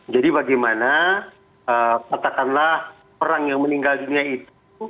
jadi bagaimana katakanlah perang yang meninggal dunia itu